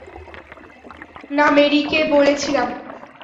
না, মেরিকে বলেছিলাম।